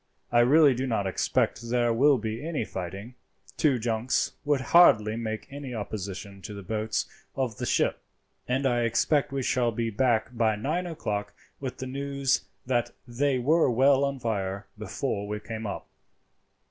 I really do not expect there will be any fighting. Two junks would hardly make any opposition to the boats of the ship, and I expect we shall be back by nine o'clock with the news that they were well on fire before we came up."